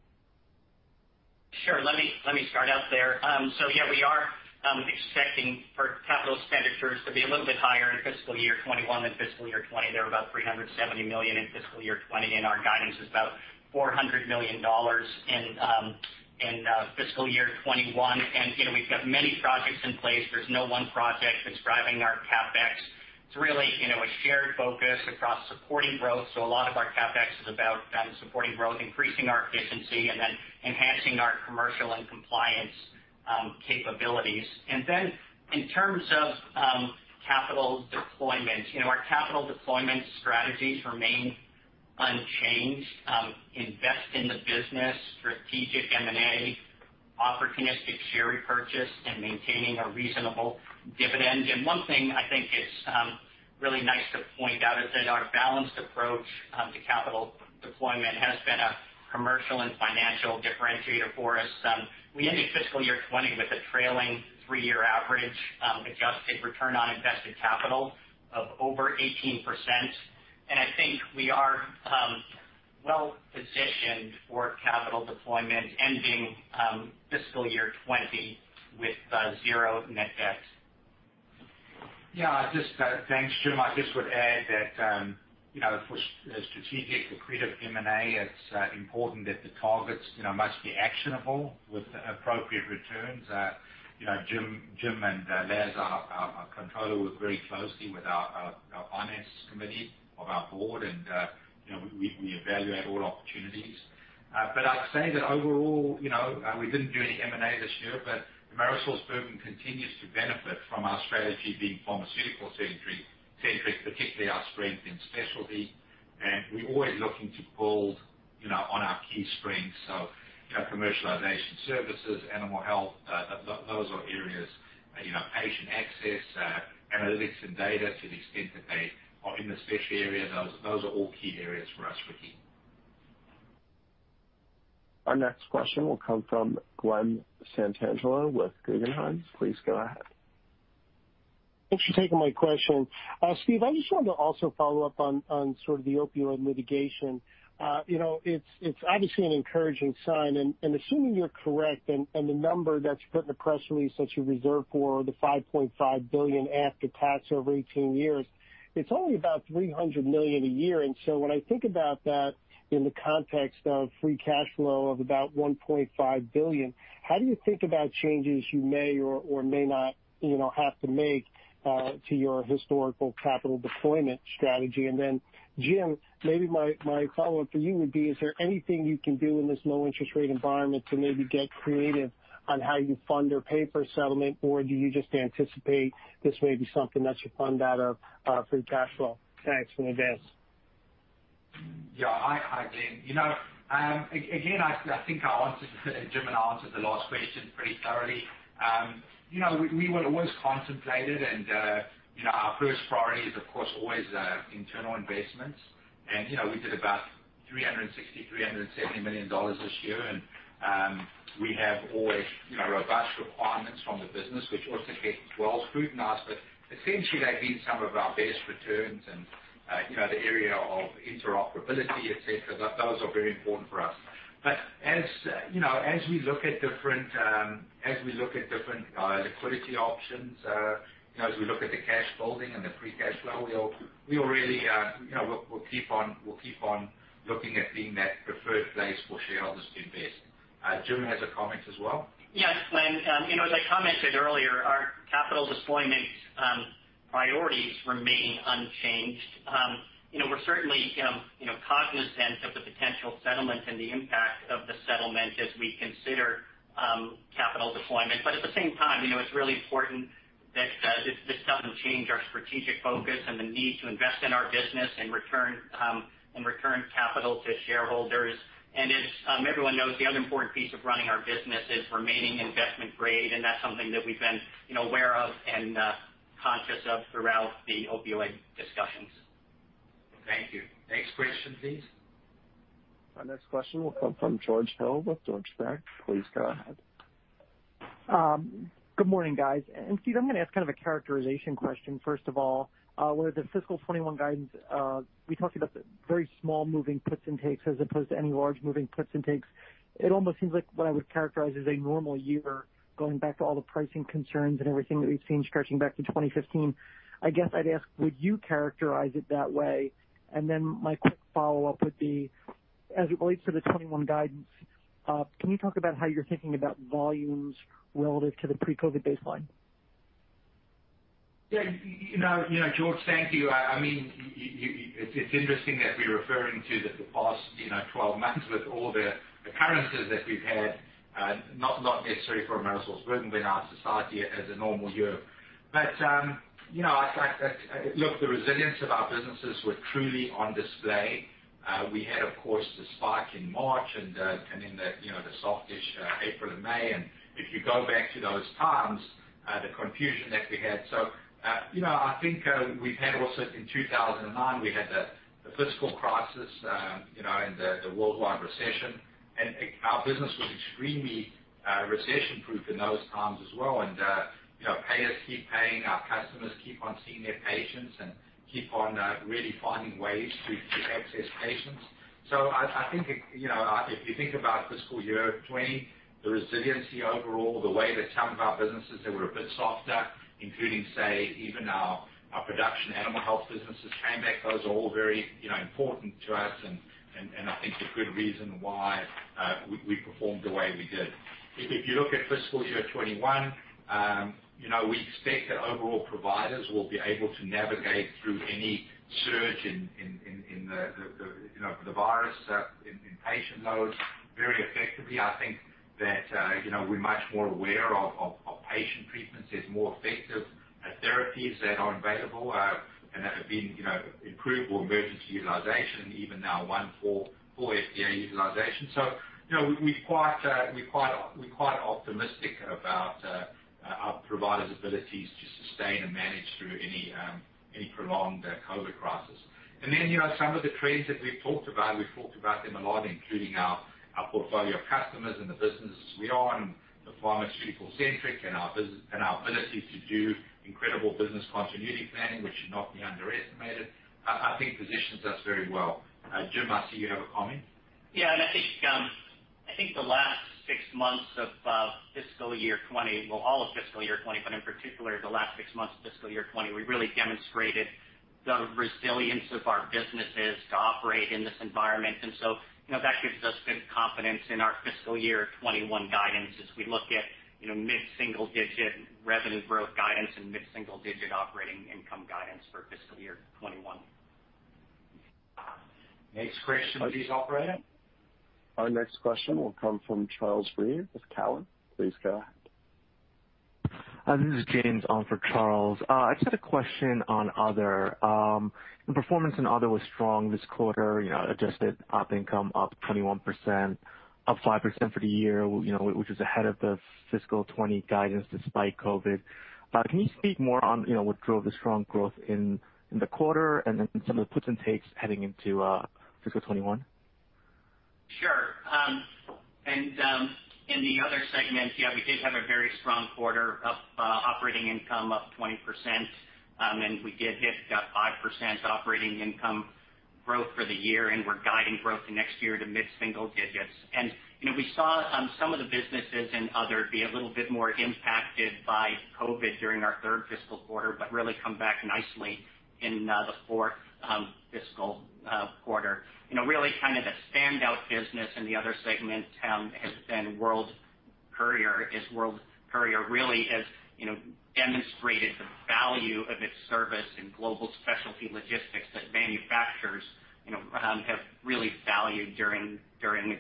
Sure. Let me start out there. Yeah, we are expecting for capital expenditures to be a little bit higher in fiscal year 2021 than fiscal year 2020. They were about $370 million in fiscal year 2020, and our guidance is about $400 million in fiscal year 2021. We've got many projects in place. There's no one project that's driving our CapEx. It's really a shared focus across supporting growth. A lot of our CapEx is about supporting growth, increasing our efficiency, and then enhancing our commercial and compliance capabilities. In terms of capital deployment, our capital deployment strategies remain unchanged. Invest in the business, strategic M&A, opportunistic share repurchase, and maintaining a reasonable dividend. One thing I think is really nice to point out is that our balanced approach to capital deployment has been a commercial and financial differentiator for us. We ended fiscal year 2020 with a trailing three-year average adjusted return on invested capital of over 18%. I think we are well-positioned for capital deployment ending fiscal year 2020 with zero net debt. Thanks, Jim. I just would add that for strategic accretive M&A, it's important that the targets must be actionable with appropriate returns. Jim and Laz, our controller, work very closely with our finance committee of our board. We evaluate all opportunities. I'd say that overall, we didn't do any M&A this year. AmerisourceBergen continues to benefit from our strategy being pharmaceutical centric, particularly our strength in specialty. We're always looking to build on our key strengths. Commercialization Services, Animal Health, those are areas, patient access, analytics and data to the extent that they are in the specialty area. Those are all key areas for us, Ricky. Our next question will come from Glen Santangelo with Guggenheim. Please go ahead. Thanks for taking my question. Steve, I just wanted to also follow up on sort of the opioid litigation. It is obviously an encouraging sign, assuming you are correct, and the number that you put in the press release that you reserved for the $5.5 billion after tax over 18 years, it is only about $300 million a year. When I think about that in the context of free cash flow of about $1.5 billion, how do you think about changes you may or may not have to make to your historical capital deployment strategy? Jim, maybe my follow-up for you would be, is there anything you can do in this low interest rate environment to maybe get creative on how you fund or pay for settlement, or do you just anticipate this may be something that you fund out of free cash flow? Thanks in advance. Yeah. Hi, Glen. Again, I think Jim answered the last question pretty thoroughly. We always contemplated and our first priority is of course always internal investments. We did about $360 million, $370 million this year. We have always robust requirements from the business, which also get well scrutinized. Essentially, they've been some of our best returns and the area of interoperability, et cetera, those are very important for us. As we look at different liquidity options, as we look at the cash holding and the free cash flow, we'll keep on looking at being that preferred place for shareholders to invest. Jim has a comment as well. Yes, Glen. As I commented earlier, our capital deployment priorities remain unchanged. We're certainly cognizant of the potential settlement and the impact of the settlement as we consider capital deployment. At the same time, it's really important that this doesn't change our strategic focus and the need to invest in our business and return capital to shareholders. As everyone knows, the other important piece of running our business is remaining investment grade, and that's something that we've been aware of and conscious of throughout the opioid discussions. Thank you. Next question, please. Our next question will come from George Hill with Deutsche. Please go ahead. Good morning, guys. Steve, I'm going to ask kind of a characterization question first of all. With the FY 2021 guidance, we talked about the very small moving puts and takes as opposed to any large moving puts and takes. It almost seems like what I would characterize as a normal year, going back to all the pricing concerns and everything that we've seen stretching back to 2015. I guess I'd ask, would you characterize it that way? Then my quick follow-up would be, as it relates to the FY 2021 guidance, can you talk about how you're thinking about volumes relative to the pre-COVID baseline? Yeah. George, thank you. It's interesting that we're referring to the past 12 months with all the occurrences that we've had, not necessarily for AmerisourceBergen, but in our society as a normal year. Look, the resilience of our businesses were truly on display. We had, of course, the spike in March and then the soft-ish April and May. If you go back to those times, the confusion that we had. I think we've had also in 2009, we had the fiscal crisis and the worldwide recession, and our business was extremely recession-proof in those times as well. Payers keep paying, our customers keep on seeing their patients and keep on really finding ways to access patients. I think, if you think about fiscal year 2020, the resiliency overall, the way that some of our businesses that were a bit softer, including, say, even our production animal health businesses came back. Those are all very important to us and I think a good reason why we performed the way we did. If you look at fiscal year 2021, we expect that overall providers will be able to navigate through any surge in the virus, in patient loads very effectively. I think that we're much more aware of patient treatments. There's more effective therapies that are available, and that have been approved or emergency utilization, even now, one for full FDA utilization. We're quite optimistic about our providers' abilities to sustain and manage through any prolonged COVID crisis. Some of the trends that we've talked about, and we've talked about them a lot, including our portfolio of customers and the businesses we own, the pharmaceutical-centric and our ability to do incredible business continuity planning, which should not be underestimated, I think positions us very well. Jim, I see you have a comment. Yeah. I think the last six months of fiscal year 2020, well, all of fiscal year 2020, but in particular, the last six months of fiscal year 2020, we really demonstrated the resilience of our businesses to operate in this environment. That gives us good confidence in our fiscal year 2021 guidance as we look at mid-single-digit revenue growth guidance and mid-single-digit operating income guidance for fiscal year 2021. Next question, please operator. Our next question will come from Charles Rhyee with Cowen. Please go ahead. This is James on for Charles. I just had a question on other. The performance in other was strong this quarter, adjusted op income up 21%, up 5% for the year, which was ahead of the fiscal 2020 guidance despite COVID-19. Can you speak more on what drove the strong growth in the quarter and then some of the puts and takes heading into fiscal 2021? Sure. In the Other segment, we did have a very strong quarter of operating income up 20%, and we did hit 5% operating income growth for the year, and we're guiding growth to next year to mid-single digits. We saw some of the businesses in Other be a little bit more impacted by COVID-19 during our third fiscal quarter, but really come back nicely in the fourth fiscal quarter. Really kind of the standout business in the Other segment has been World Courier. As World Courier really has demonstrated the value of its service in global specialty logistics that manufacturers have really valued during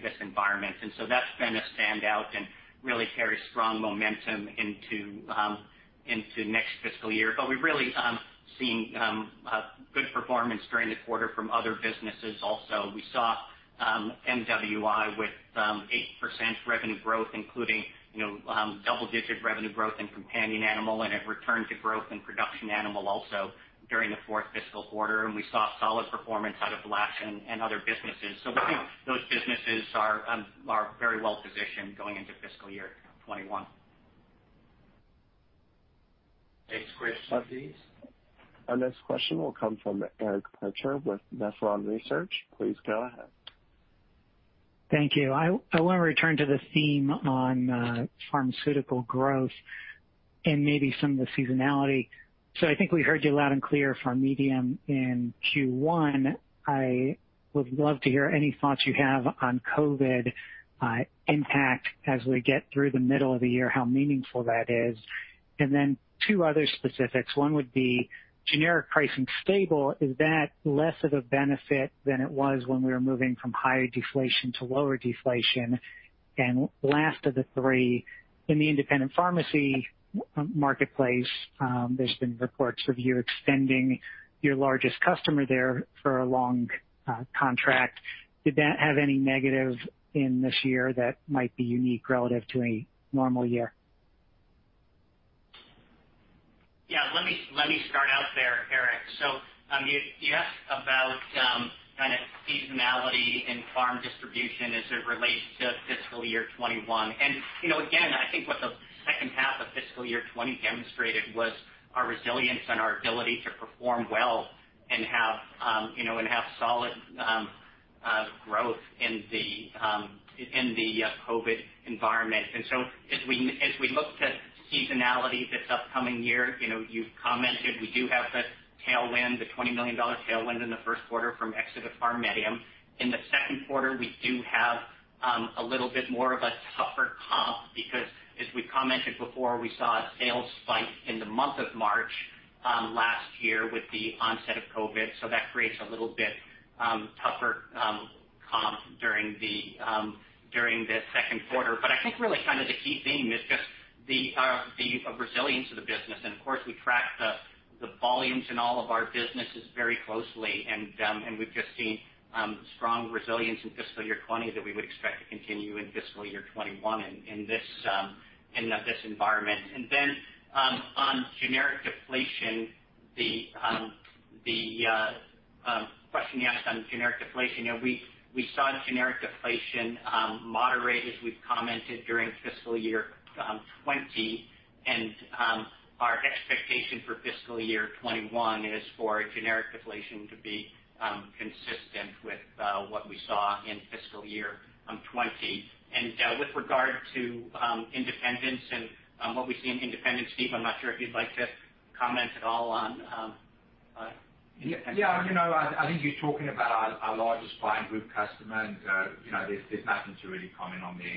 this environment. That's been a standout and really carry strong momentum into next fiscal year. We've really seen good performance during the quarter from other businesses also. We saw MWI with 8% revenue growth, including double-digit revenue growth in companion animal, and a return to growth in production animal also during the fourth fiscal quarter. We saw solid performance out of Lash and other businesses. We think those businesses are very well positioned going into fiscal year 2021. Next question, please. Our next question will come from Eric Percher with Nephron Research. Please go ahead. Thank you. I want to return to the theme on pharmaceutical growth and maybe some of the seasonality. I think we heard you loud and clear from PharMEDium in Q1. I would love to hear any thoughts you have on COVID-19 impact as we get through the middle of the year, how meaningful that is. Then two other specifics. One would be generic pricing stable. Is that less of a benefit than it was when we were moving from higher deflation to lower deflation? Last of the three, in the independent pharmacy marketplace, there's been reports of you extending your largest customer there for a long contract. Did that have any negative in this year that might be unique relative to a normal year? Let me start out there, Eric. You asked about kind of seasonality in pharm distribution as it relates to fiscal year 2021. Again, I think what the H2 of fiscal year 2020 demonstrated was our resilience and our ability to perform well and have solid growth in the COVID environment. As we look to seasonality this upcoming year, We do have the tailwind, the $20 million tailwind in the Q1 from exit of PharMEDium. In the Q2, we do have a little bit more of a tougher comp because, as we commented before, we saw a sales spike in the month of March last year with the onset of COVID. That creates a little bit tougher comp during the Q2. I think really kind of the key theme is just the resilience of the business. Of course, we track the volumes in all of our businesses very closely. We've just seen strong resilience in fiscal year 2020 that we would expect to continue in fiscal year 2021 in this environment. On generic deflation, the question you asked on generic deflation, we saw generic deflation moderate, as we've commented during fiscal year 2020, and our expectation for fiscal year 2021 is for generic deflation to be consistent with what we saw in fiscal year 2020. With regard to independents and what we see in independents, Steve, I'm not sure if you'd like to comment at all on independents. Yeah. I think you're talking about our largest buying group customer, and there's nothing to really comment on there.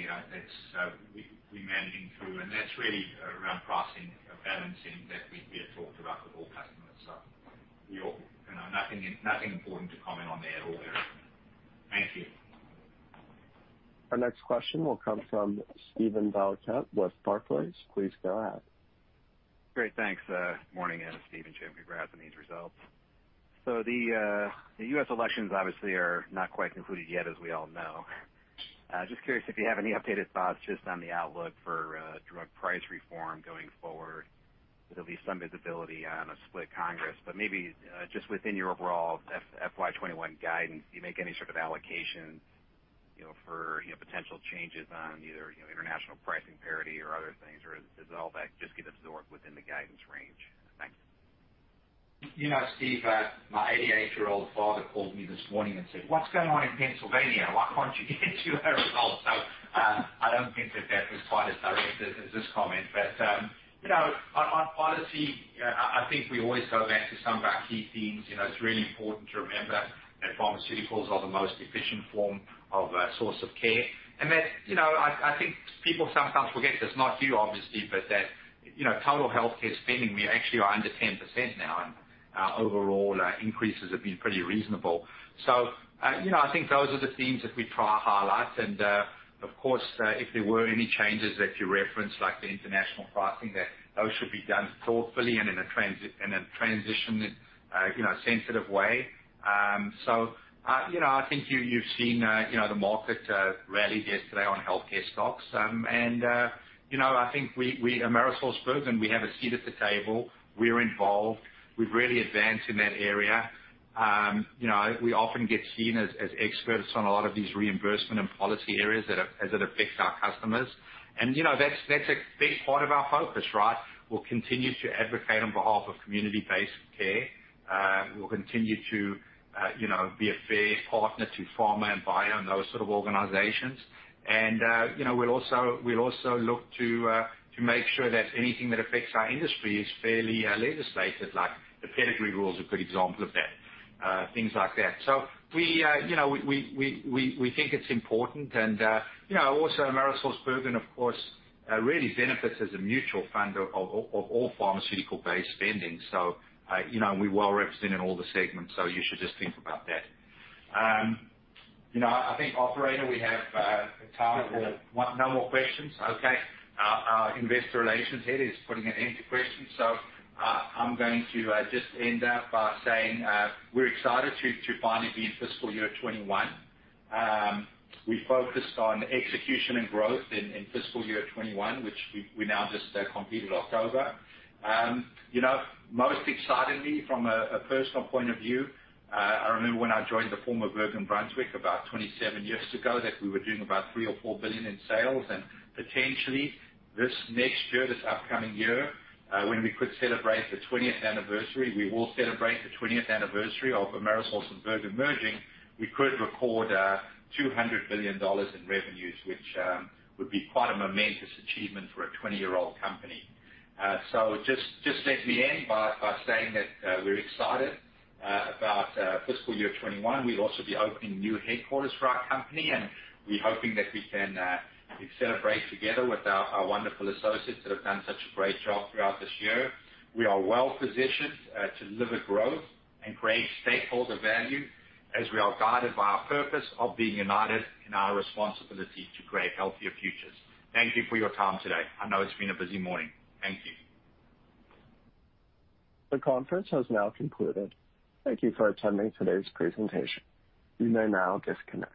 We're managing through, and that's really around pricing and balancing that we have talked about with all customers. Nothing important to comment on there at all, Eric. Thank you. Our next question will come from Steven Valiquette, with Barclays. Please go ahead. Great. Thanks. Morning, Ed, Steve, and Jim, congrats on these results. The U.S. elections obviously are not quite concluded yet, as we all know. Just curious if you have any updated thoughts just on the outlook for drug price reform going forward. There'll be some visibility on a split Congress, but maybe just within your overall FY 2021 guidance, do you make any sort of allocations for potential changes on either international pricing parity or other things, or does all that just get absorbed within the guidance range? Thanks. Steve, my 88-year-old father called me this morning and said, "What's going on in Pennsylvania? Why can't you get your results out?" I don't think that that was quite as direct as this comment. On policy, I think we always go back to some of our key themes. It's really important to remember that pharmaceuticals are the most efficient form of source of care, and that I think people sometimes forget, just not you, obviously, but that total healthcare spending, we actually are under 10% now, and our overall increases have been pretty reasonable. I think those are the themes that we try to highlight. Of course, if there were any changes that you referenced, like the international pricing, that those should be done thoughtfully and in a transition sensitive way. I think you've seen the market rallied yesterday on healthcare stocks. I think we, AmerisourceBergen, we have a seat at the table. We're involved. We've really advanced in that area. We often get seen as experts on a lot of these reimbursement and policy areas as it affects our customers. That's a big part of our focus, right? We'll continue to advocate on behalf of community-based care. We'll continue to be a fair partner to pharma and bio and those sort of organizations. We'll also look to make sure that anything that affects our industry is fairly legislated, like the pedigree rule is a good example of that, things like that. We think it's important, and also AmerisourceBergen, of course, really benefits as a mutual fund of all pharmaceutical-based spending. We're well-represented in all the segments. You should just think about that. I think, operator, no more questions? Okay. Our investor relations head is putting an end to questions. I'm going to just end up by saying we're excited to finally be in fiscal year 2021. We focused on execution and growth in fiscal year 2021, which we now just completed October. Most excitingly, from a personal point of view, I remember when I joined the former Bergen Brunswig about 27 years ago, that we were doing about $3 billion or $4 billion in sales, and potentially this next year, this upcoming year, when we could celebrate the 20th anniversary, we will celebrate the 20th anniversary of Amerisource and Bergen merging. We could record $200 billion in revenues, which would be quite a momentous achievement for a 20-year-old company. Just let me end by saying that we're excited about fiscal year 2021. We'll also be opening new headquarters for our company, and we're hoping that we can celebrate together with our wonderful associates that have done such a great job throughout this year. We are well-positioned to deliver growth and create stakeholder value as we are guided by our purpose of being united in our responsibility to create healthier futures. Thank you for your time today. I know it's been a busy morning. Thank you. The conference has now concluded. Thank you for attending today's presentation. You may now disconnect.